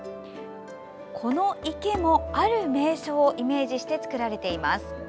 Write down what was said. この池も、ある名所をイメージして造られています。